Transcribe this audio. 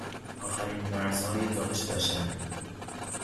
آخرین مرزهای دانش بشر